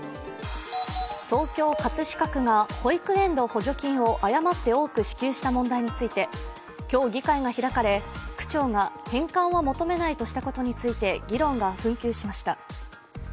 東京・葛飾区が保育園の補助金を誤って多く支給した問題について今日議会が開かれ、区長が返還を求めないとしたことについて議論が紛糾しました。